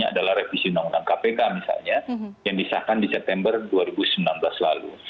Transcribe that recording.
adalah revisi undang undang kpk misalnya yang disahkan di september dua ribu sembilan belas lalu